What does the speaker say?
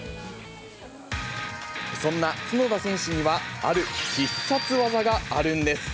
そんな角田選手には、ある必殺技があるんです。